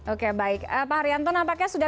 oke baik pak haryanto nampaknya sudah